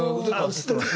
映ってます。